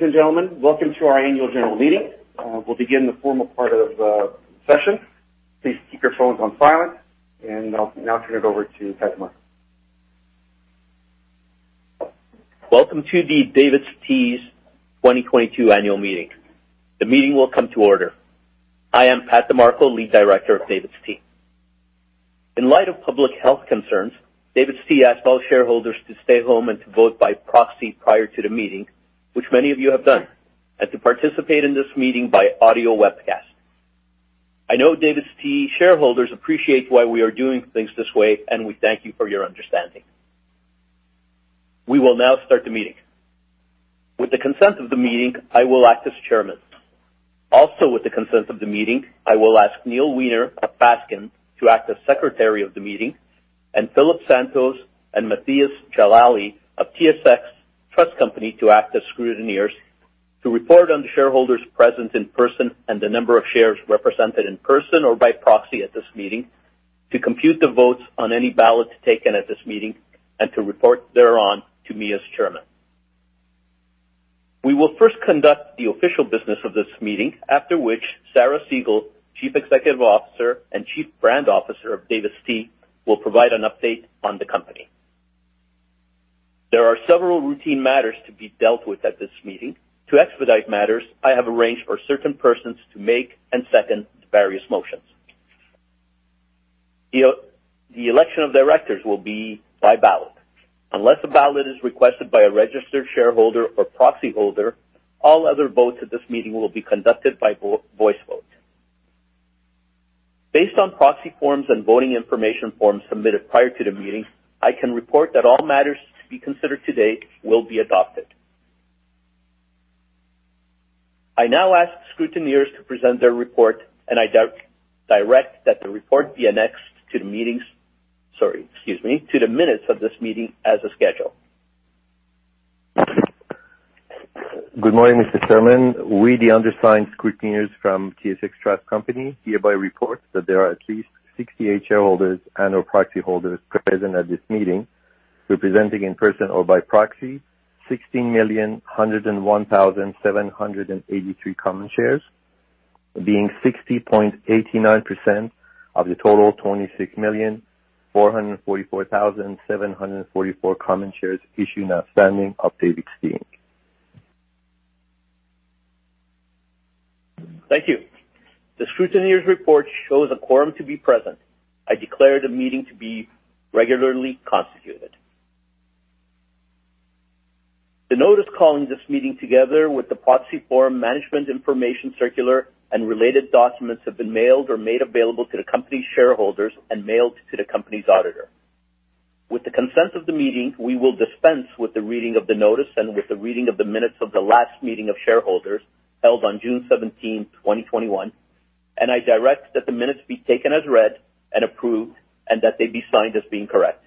Ladies and gentlemen, welcome to our Annual General Meeting. We'll begin the formal part of the session. Please keep your phones on silent. I'll now turn it over to Pat De Marco. Welcome to DAVIDsTEA's 2022 Annual Meeting. The meeting will come to order. I am Pat De Marco, Lead Director of DAVIDsTEA. In light of public health concerns, DAVIDsTEA asked all shareholders to stay home and to vote by proxy prior to the meeting, which many of you have done, to participate in this meeting by audio webcast. I know DAVIDsTEA shareholders appreciate why we are doing things this way. We thank you for your understanding. We will now start the meeting. With the consent of the meeting, I will act as chairman. Also, with the consent of the meeting, I will ask Neil Wiener of Fasken to act as Secretary of the meeting, Philip Santos and Mathias Jalali of TSX Trust Company to act as scrutineers, to report on the shareholders present in person and the number of shares represented in person or by proxy at this meeting, to compute the votes on any ballots taken at this meeting, to report thereon to me as chairman. We will first conduct the official business of this meeting, after which Sarah Segal, Chief Executive Officer and Chief Brand Officer of DAVIDsTEA, will provide an update on the company. There are several routine matters to be dealt with at this meeting. To expedite matters, I have arranged for certain persons to make and second various motions. The election of directors will be by ballot. Unless a ballot is requested by a registered shareholder or proxyholder, all other votes at this meeting will be conducted by voice vote. Based on proxy forms and voting information forms submitted prior to the meeting, I can report that all matters to be considered today will be adopted. I now ask the scrutineers to present their report. I direct that the report be annexed to the minutes of this meeting as a schedule. Good morning, Mr. Chairman. We, the undersigned scrutineers from TSX Trust Company, hereby report that there are at least 68 shareholders and/or proxyholders present at this meeting, representing in person or by proxy 16,101,783 common shares, being 60.89% of the total 26,444,744 common shares issued and outstanding of DAVIDsTEA Inc. Thank you. The scrutineers report shows a quorum to be present. I declare the meeting to be regularly constituted. The notice calling this meeting together with the proxy form, management information circular, and related documents have been mailed or made available to the company's shareholders and mailed to the company's auditor. With the consent of the meeting, we will dispense with the reading of the notice and with the reading of the minutes of the last meeting of shareholders held on June 17, 2021, and I direct that the minutes be taken as read and approved and that they be signed as being correct.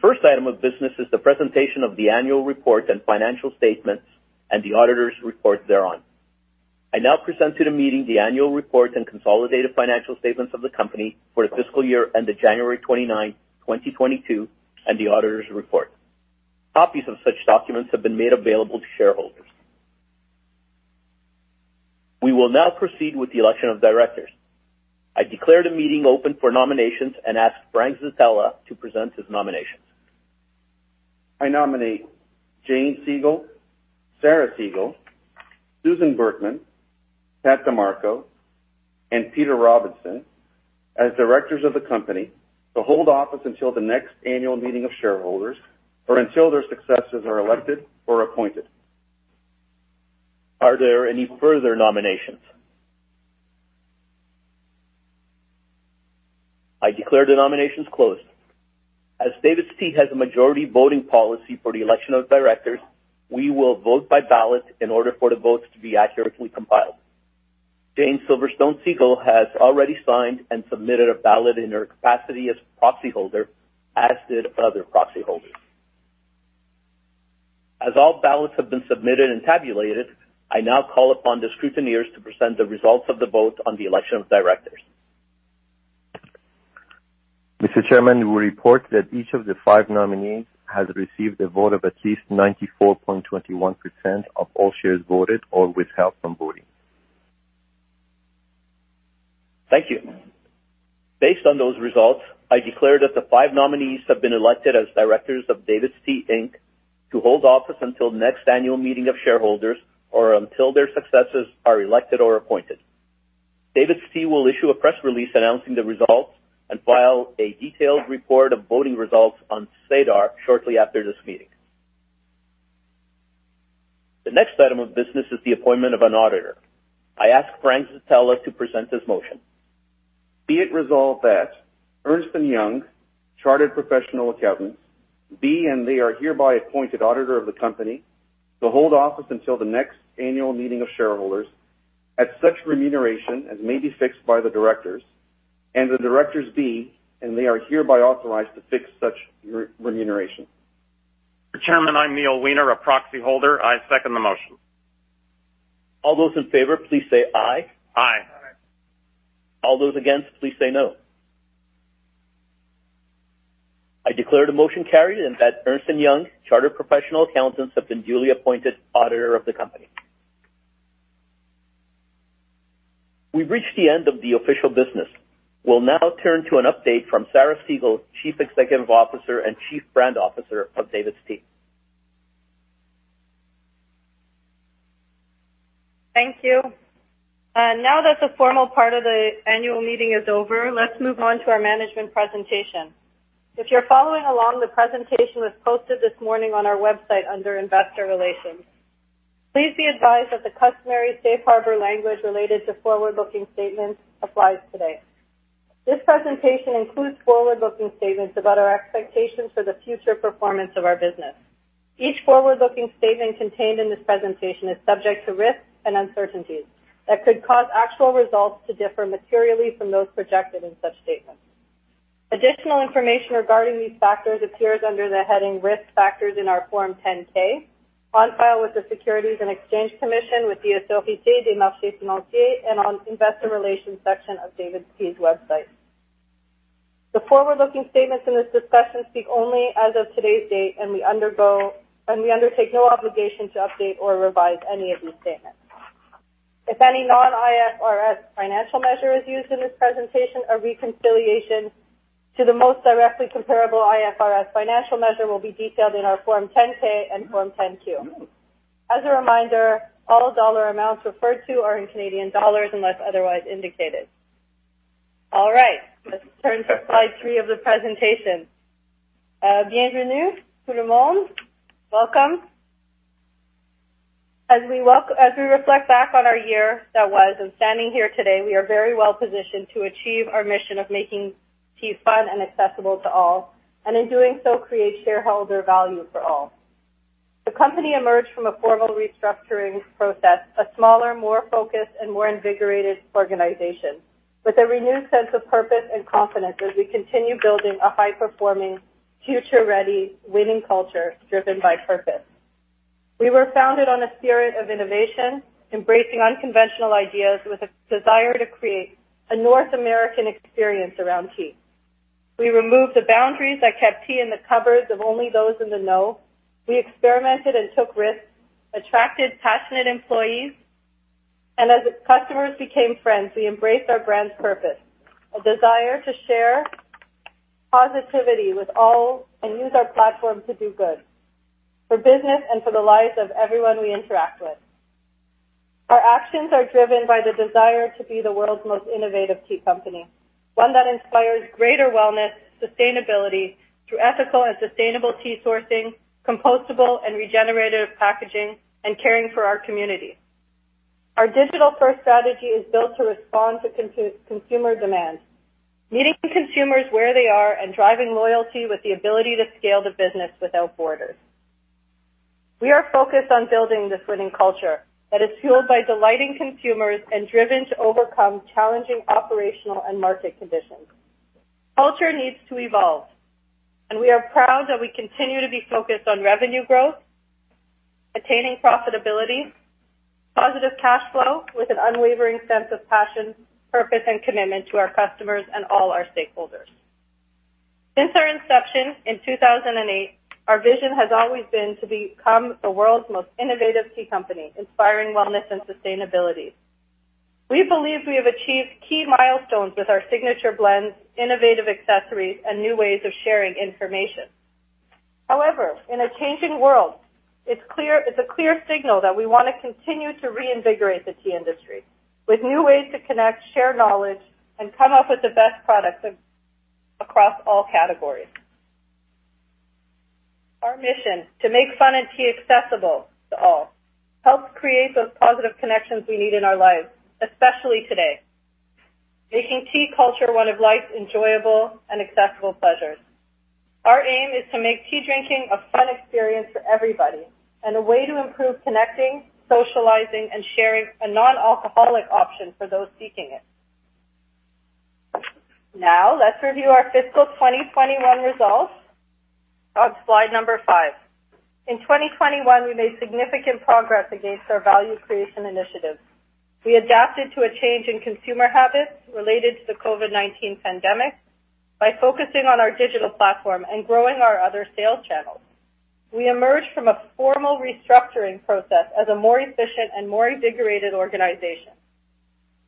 The first item of business is the presentation of the annual report and financial statements and the auditor's report thereon. I now present to the meeting the annual report and consolidated financial statements of the company for the fiscal year ended January 29, 2022, and the auditor's report. Copies of such documents have been made available to shareholders. We will now proceed with the election of directors. I declare the meeting open for nominations and ask Frank Zitella to present his nominations. I nominate Jane Segal, Sarah Segal, Susan Burkman, Pat De Marco, and Peter Robinson as directors of the company to hold office until the next annual meeting of shareholders or until their successors are elected or appointed. Are there any further nominations? I declare the nominations closed. As DAVIDsTEA has a majority voting policy for the election of Directors, we will vote by ballot in order for the votes to be accurately compiled. Jane Silverstone Segal has already signed and submitted a ballot in her capacity as proxy holder, as did other proxy holders. As all ballots have been submitted and tabulated, I now call upon the Scrutineers to present the results of the vote on the election of Directors. Mr. Chairman, we report that each of the five nominees has received a vote of at least 94.21% of all shares voted or withheld from voting. Thank you. Based on those results, I declare that the five nominees have been elected as Directors of DAVIDsTEA Inc. to hold office until the next annual meeting of shareholders or until their successors are elected or appointed. DAVIDsTEA will issue a press release announcing the results and file a detailed report of voting results on SEDAR shortly after this meeting. The next item of business is the appointment of an auditor. I ask Frank Zitella to present his motion. Be it resolved that Ernst & Young, Chartered Professional Accountants, be and they are hereby appointed auditor of the company to hold office until the next annual meeting of shareholders at such remuneration as may be fixed by the directors, and the directors be, and they are hereby authorized, to fix such remuneration. Mr. Chairman, I'm Neil Wiener, a proxy holder. I second the motion. All those in favor, please say aye. Aye. All those against, please say no. I declare the motion carried, and that Ernst & Young, chartered professional accountants, have been duly appointed auditor of the company. We've reached the end of the official business. We'll now turn to an update from Sarah Segal, Chief Executive Officer and Chief Brand Officer of DAVIDsTEA. Thank you. Now that the formal part of the annual meeting is over, let's move on to our management presentation. If you're following along, the presentation was posted this morning on our website under Investor Relations. Please be advised that the customary safe harbor language related to forward-looking statements applies today. This presentation includes forward-looking statements about our expectations for the future performance of our business. Each forward-looking statement contained in this presentation is subject to risks and uncertainties that could cause actual results to differ materially from those projected in such statements. Additional information regarding these factors appears under the heading Risk Factors in our Form 10-K, on file with the Securities and Exchange Commission, with the Autorité des marchés financiers, and on investor relations section of DAVIDsTEA's website. The forward-looking statements in this discussion speak only as of today's date, and we undertake no obligation to update or revise any of these statements. If any non-IFRS financial measure is used in this presentation, a reconciliation to the most directly comparable IFRS financial measure will be detailed in our Form 10-K and Form 10-Q. As a reminder, all dollar amounts referred to are in Canadian dollars unless otherwise indicated. All right. Let's turn to slide three of the presentation. Welcome. As we reflect back on our year that was, and standing here today, we are very well-positioned to achieve our mission of making tea fun and accessible to all, and in doing so, create shareholder value for all. The company emerged from a formal restructuring process, a smaller, more focused, and more invigorated organization with a renewed sense of purpose and confidence as we continue building a high-performing, future-ready winning culture driven by purpose. We were founded on a spirit of innovation, embracing unconventional ideas with a desire to create a North American experience around tea. We removed the boundaries that kept tea in the cupboards of only those in the know. We experimented and took risks, attracted passionate employees, and as customers became friends, we embraced our brand's purpose, a desire to share positivity with all, and use our platform to do good for business and for the lives of everyone we interact with. Our actions are driven by the desire to be the world's most innovative tea company, one that inspires greater wellness, sustainability through ethical and sustainable tea sourcing, compostable and regenerative packaging, and caring for our community. Our digital-first strategy is built to respond to consumer demands, meeting consumers where they are, and driving loyalty with the ability to scale the business without borders. We are focused on building this winning culture that is fueled by delighting consumers and driven to overcome challenging operational and market conditions. Culture needs to evolve, and we are proud that we continue to be focused on revenue growth, attaining profitability, positive cash flow with an unwavering sense of passion, purpose, and commitment to our customers and all our stakeholders. Since our inception in 2008, our vision has always been to become the world's most innovative tea company, inspiring wellness and sustainability. We believe we have achieved key milestones with our signature blends, innovative accessories, and new ways of sharing information. However, in a changing world, it's a clear signal that we want to continue to reinvigorate the tea industry with new ways to connect, share knowledge, and come up with the best products across all categories. Our mission to make fun and tea accessible to all helps create those positive connections we need in our lives, especially today, making tea culture one of life's enjoyable and accessible pleasures. Our aim is to make tea drinking a fun experience for everybody and a way to improve connecting, socializing, and sharing a non-alcoholic option for those seeking it. Now, let's review our fiscal 2021 results on slide number five. In 2021, we made significant progress against our value creation initiatives. We adapted to a change in consumer habits related to the COVID-19 pandemic by focusing on our digital platform and growing our other sales channels. We emerged from a formal restructuring process as a more efficient and more invigorated organization.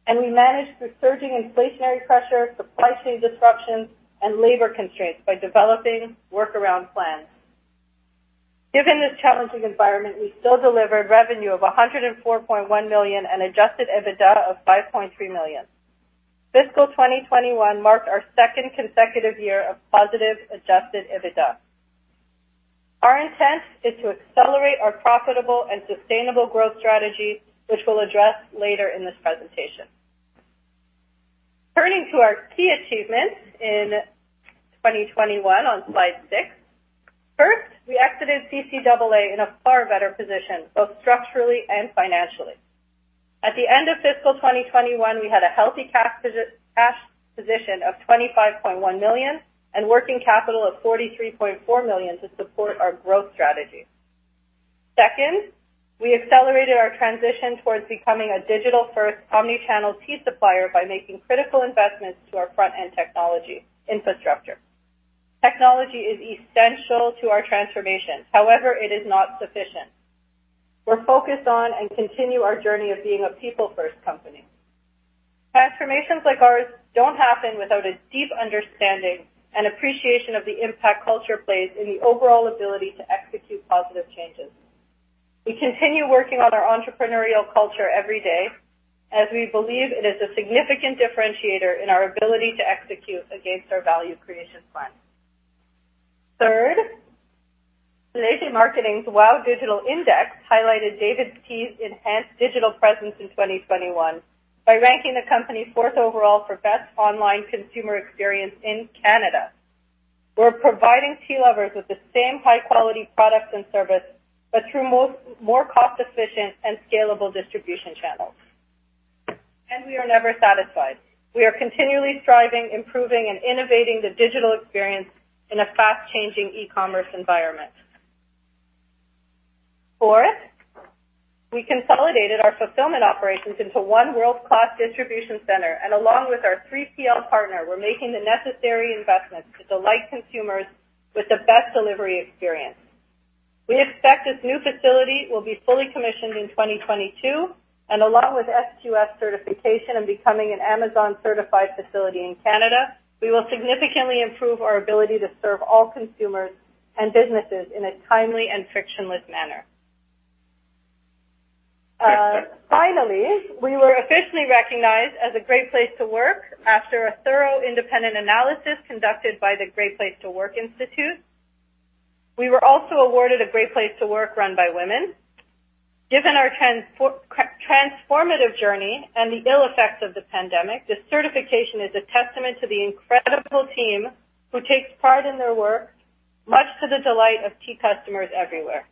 We managed through surging inflationary pressure, supply chain disruptions, and labor constraints by developing workaround plans. Given this challenging environment, we still delivered revenue of 104.1 million and adjusted EBITDA of 5.3 million. Fiscal 2021 marked our second consecutive year of positive adjusted EBITDA. Our intent is to accelerate our profitable and sustainable growth strategy, which we'll address later in this presentation. Turning to our key achievements in 2021 on slide seven. First, we exited CCAA in a far better position, both structurally and financially. At the end of fiscal 2021, we had a healthy cash position of 25.1 million and working capital of 43.4 million to support our growth strategy. Second, we accelerated our transition towards becoming a digital-first omni-channel tea supplier by making critical investments to our front-end technology infrastructure. Technology is essential to our transformation. However, it is not sufficient. We're focused on and continue our journey of being a people-first company. Transformations like ours don't happen without a deep understanding and appreciation of the impact culture plays in the overall ability to execute positive changes. We continue working on our entrepreneurial culture every day, as we believe it is a significant differentiator in our ability to execute against our value creation plan. Third, Léger Marketing's WOW Digital Index highlighted DAVIDsTEA's enhanced digital presence in 2021 by ranking the company fourth overall for best online consumer experience in Canada. We're providing tea lovers with the same high-quality products and service, but through more cost-efficient and scalable distribution channels. We are never satisfied. We are continually striving, improving, and innovating the digital experience in a fast-changing e-commerce environment. Fourth, we consolidated our fulfillment operations into one world-class distribution center, and along with our 3PL partner, we're making the necessary investments to delight consumers with the best delivery experience. We expect this new facility will be fully commissioned in 2022, and along with SQF certification and becoming an Amazon certified facility in Canada, we will significantly improve our ability to serve all consumers and businesses in a timely and frictionless manner. Finally, we were officially recognized as a "Great Place to Work" after a thorough independent analysis conducted by the Great Place to Work Institute. We were also awarded a Great Place to Work run by women. Given our transformative journey and the ill effects of the pandemic, this certification is a testament to the incredible team who takes pride in their work, much to the delight of tea customers everywhere.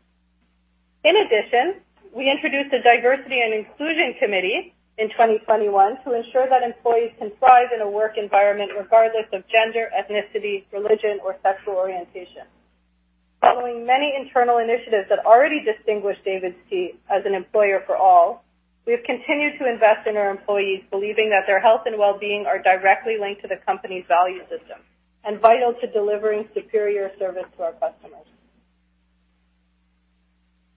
In addition, we introduced a diversity and inclusion committee in 2021 to ensure that employees can thrive in a work environment regardless of gender, ethnicity, religion, or sexual orientation. Following many internal initiatives that already distinguished DAVIDsTEA as an employer for all, we have continued to invest in our employees, believing that their health and wellbeing are directly linked to the company's value system and vital to delivering superior service to our customers.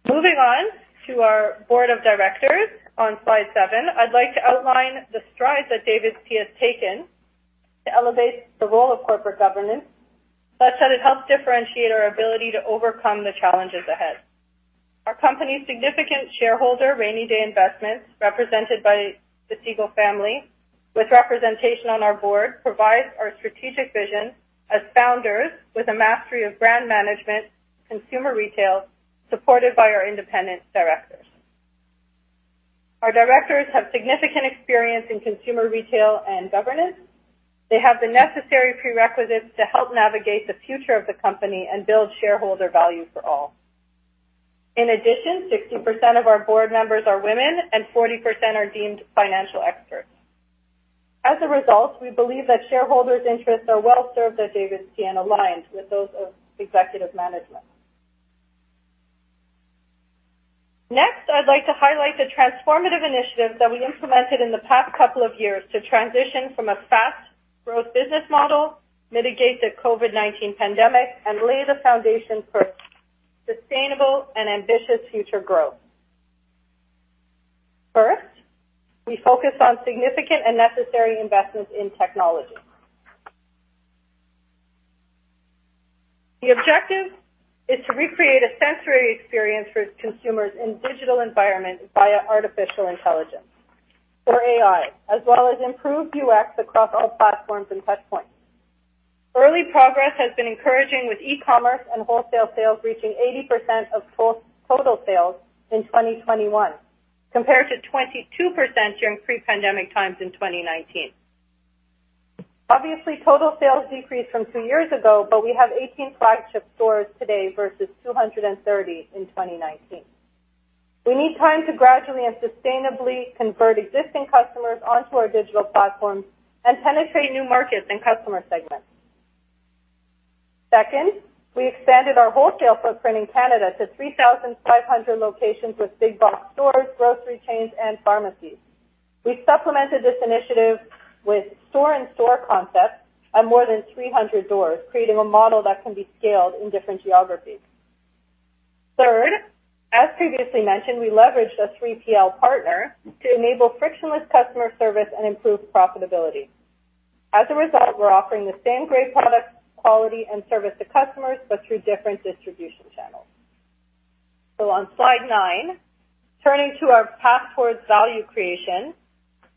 Moving on to our board of directors on slide seven, I'd like to outline the strides that DAVIDsTEA has taken to elevate the role of corporate governance, such that it helps differentiate our ability to overcome the challenges ahead. Our company's significant shareholder, Rainy Day Investments, represented by the Segal family, with representation on our board, provides our strategic vision as founders with a mastery of brand management, consumer retail, supported by our independent directors. Our directors have significant experience in consumer retail and governance. They have the necessary prerequisites to help navigate the future of the company and build shareholder value for all. In addition, 60% of our board members are women, and 40% are deemed financial experts. As a result, we believe that shareholders' interests are well-served at DAVIDsTEA and aligned with those of executive management. Next, I'd like to highlight the transformative initiatives that we implemented in the past couple of years to transition from a fast growth business model, mitigate the COVID-19 pandemic, and lay the foundation for sustainable and ambitious future growth. First, we focused on significant and necessary investments in technology. The objective is to recreate a sensory experience for its consumers in digital environments via artificial intelligence or AI, as well as improve UX across all platforms and touchpoints. Early progress has been encouraging with e-commerce and wholesale sales reaching 80% of total sales in 2021, compared to 22% during pre-pandemic times in 2019. Obviously, total sales decreased from two years ago, but we have 18 flagship stores today versus 230 in 2019. We need time to gradually and sustainably convert existing customers onto our digital platforms and penetrate new markets and customer segments. Second, we expanded our wholesale footprint in Canada to 3,500 locations with big box stores, grocery chains, and pharmacies. We supplemented this initiative with store-in-store concepts in more than 300 stores, creating a model that can be scaled in different geographies. Third, as previously mentioned, we leveraged a 3PL partner to enable frictionless customer service and improve profitability. On slide nine, turning to our path towards value creation,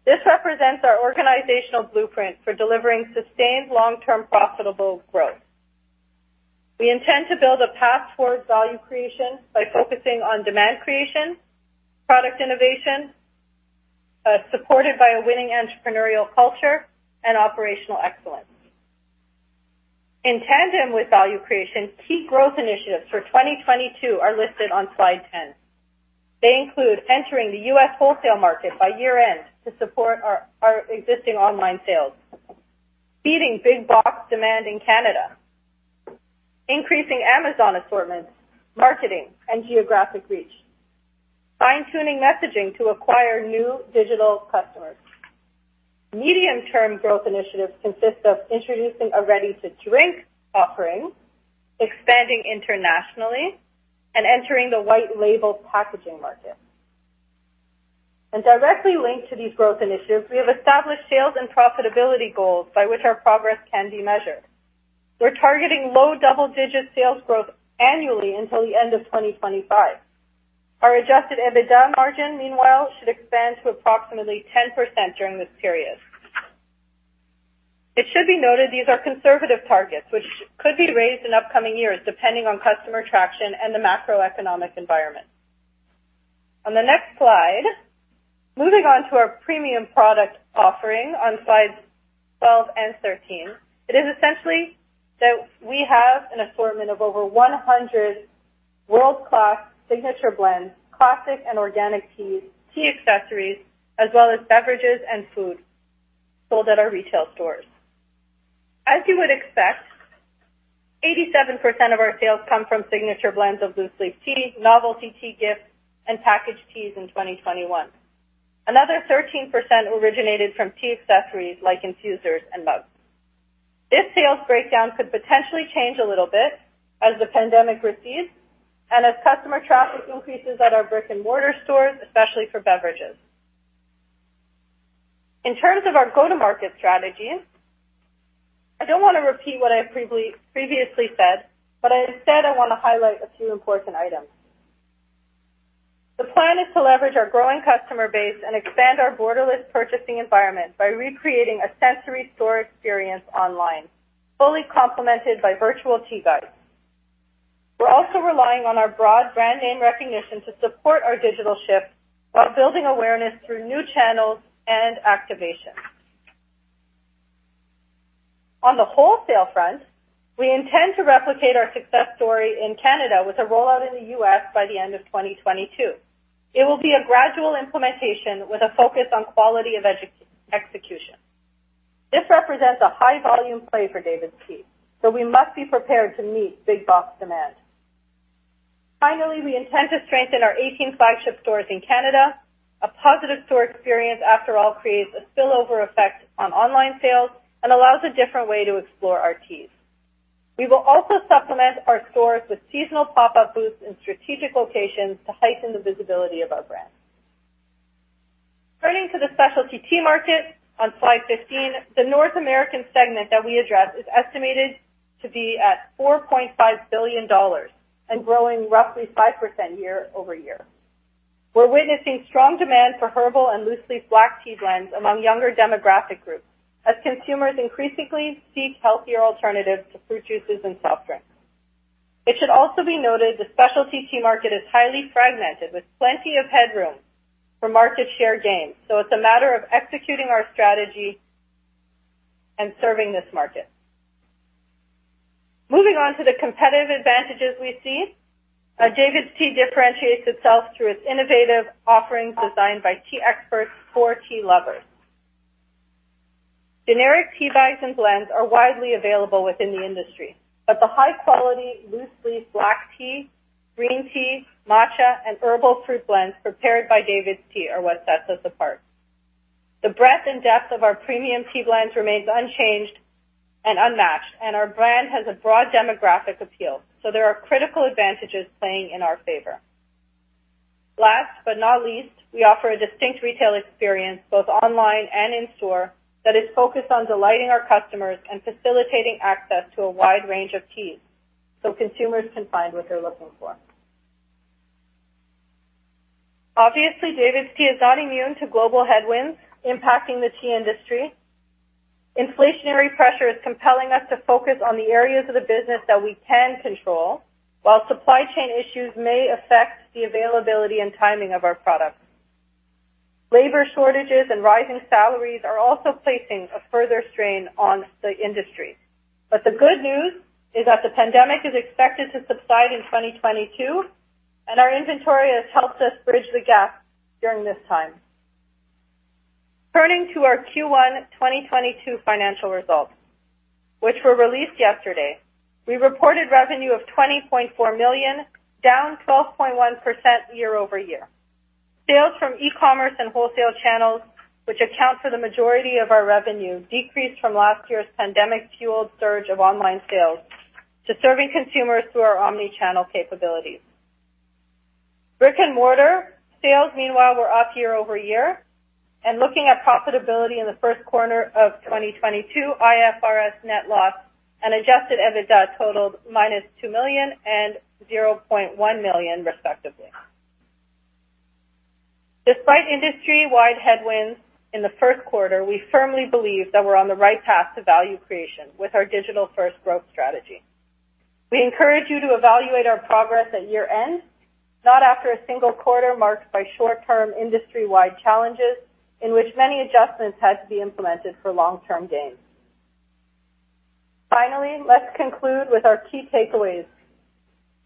this represents our organizational blueprint for delivering sustained long-term profitable growth. We intend to build a path towards value creation by focusing on demand creation, product innovation, supported by a winning entrepreneurial culture, and operational excellence. In tandem with value creation, key growth initiatives for 2022 are listed on slide 10. They include entering the U.S. wholesale market by year-end to support our existing online sales. Beating big box demand in Canada, increasing Amazon assortments, marketing, and geographic reach, fine-tuning messaging to acquire new digital customers. Medium-term growth initiatives consist of introducing a ready-to-drink offering, expanding internationally, and entering the white label packaging market. Directly linked to these growth initiatives, we have established sales and profitability goals by which our progress can be measured. We're targeting low double-digit sales growth annually until the end of 2025. Our adjusted EBITDA margin, meanwhile, should expand to approximately 10% during this period. It should be noted these are conservative targets, which could be raised in upcoming years depending on customer traction and the macroeconomic environment. On the next slide, moving on to our premium product offering on slides 12 and 13, it is essentially that we have an assortment of over 100 world-class signature blends, classic and organic teas, tea accessories, as well as beverages and food sold at our retail stores. As you would expect, 87% of our sales come from signature blends of loose leaf tea, novelty tea gifts, and packaged teas in 2021. Another 13% originated from tea accessories like infusers and mugs. This sales breakdown could potentially change a little bit as the pandemic recedes and as customer traffic increases at our brick-and-mortar stores, especially for beverages. In terms of our go-to-market strategies, I don't want to repeat what I previously said, but instead I want to highlight a few important items. The plan is to leverage our growing customer base and expand our borderless purchasing environment by recreating a sensory store experience online, fully complemented by virtual tea guides. We're also relying on our broad brand name recognition to support our digital shift while building awareness through new channels and activations. On the wholesale front, we intend to replicate our success story in Canada with a rollout in the U.S. by the end of 2022. It will be a gradual implementation with a focus on quality of execution. This represents a high-volume play for DAVIDsTEA, so we must be prepared to meet big box demand. Finally, we intend to strengthen our 18 flagship stores in Canada. A positive store experience, after all, creates a spillover effect on online sales and allows a different way to explore our teas. We will also supplement our stores with seasonal pop-up booths in strategic locations to heighten the visibility of our brand. Turning to the specialty tea market on slide 15, the North American segment that we address is estimated to be at 4.5 billion dollars and growing roughly 5% year-over-year. We're witnessing strong demand for herbal and loose leaf black tea blends among younger demographic groups as consumers increasingly seek healthier alternatives to fruit juices and soft drinks. It should also be noted the specialty tea market is highly fragmented with plenty of headroom for market share gains, so it's a matter of executing our strategy and serving this market. Moving on to the competitive advantages we see, DAVIDsTEA differentiates itself through its innovative offerings designed by tea experts for tea lovers. Generic tea bags and blends are widely available within the industry, but the high-quality loose leaf black tea, green tea, matcha, and herbal fruit blends prepared by DAVIDsTEA are what sets us apart. The breadth and depth of our premium tea blends remains unchanged and unmatched, and our brand has a broad demographic appeal, so there are critical advantages playing in our favor. Last but not least, we offer a distinct retail experience, both online and in-store, that is focused on delighting our customers and facilitating access to a wide range of teas so consumers can find what they're looking for. Obviously, DAVIDsTEA is not immune to global headwinds impacting the tea industry. Inflationary pressure is compelling us to focus on the areas of the business that we can control, while supply chain issues may affect the availability and timing of our products. Labor shortages and rising salaries are also placing a further strain on the industry. The good news is that the pandemic is expected to subside in 2022, and our inventory has helped us bridge the gap during this time. Turning to our Q1 2022 financial results, which were released yesterday, we reported revenue of 20.4 million, down 12.1% year-over-year. Sales from e-commerce and wholesale channels, which account for the majority of our revenue, decreased from last year's pandemic-fueled surge of online sales to serving consumers through our omni-channel capabilities. Brick-and-mortar sales, meanwhile, were up year-over-year. Looking at profitability in the first quarter of 2022, IFRS net loss and adjusted EBITDA totaled minus 2 million and 0.1 million, respectively. Despite industry-wide headwinds in the first quarter, we firmly believe that we're on the right path to value creation with our digital-first growth strategy. We encourage you to evaluate our progress at year-end, not after a single quarter marked by short-term industry-wide challenges in which many adjustments had to be implemented for long-term gains. Finally, let's conclude with our key takeaways.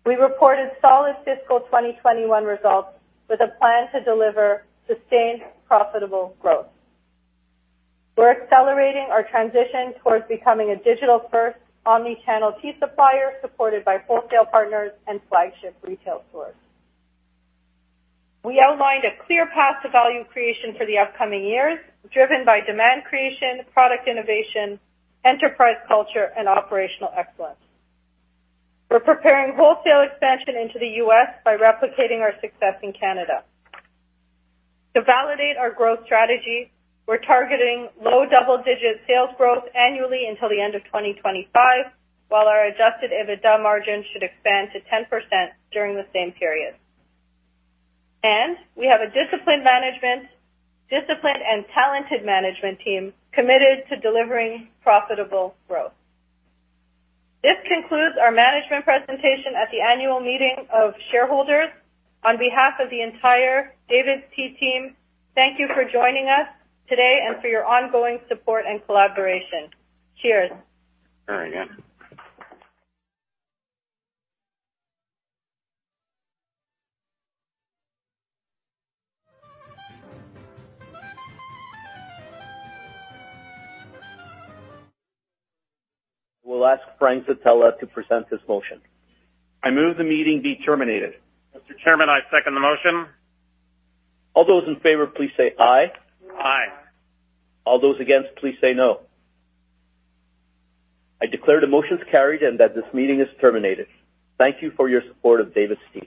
We reported solid fiscal 2021 results with a plan to deliver sustained profitable growth. We're accelerating our transition towards becoming a digital-first omni-channel tea supplier supported by wholesale partners and flagship retail stores. We outlined a clear path to value creation for the upcoming years, driven by demand creation, product innovation, enterprise culture, and operational excellence. We're preparing wholesale expansion into the U.S. by replicating our success in Canada. To validate our growth strategy, we're targeting low double-digit sales growth annually until the end of 2025, while our adjusted EBITDA margin should expand to 10% during the same period. We have a disciplined and talented management team committed to delivering profitable growth. This concludes our management presentation at the annual meeting of shareholders. On behalf of the entire DAVIDsTEA team, thank you for joining us today and for your ongoing support and collaboration. Cheers. Very good. We'll ask Frank Zitella to present this motion. I move the meeting be terminated. Mr. Chairman, I second the motion. All those in favor, please say aye. Aye. Aye. All those against, please say no. I declare the motion's carried and that this meeting is terminated. Thank you for your support of DAVIDsTEA